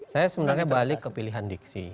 saya sebenarnya balik ke pilihan diksi